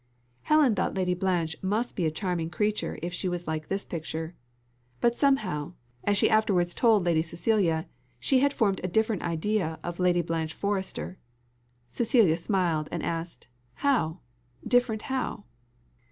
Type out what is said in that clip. Helen thought Lady Blanche must be a charming creature if she was like this picture; but somehow, as she afterwards told Lady Cecilia, she had formed a different idea of Lady Blanche Forrester Cecilia smiled and asked, "How? different how?"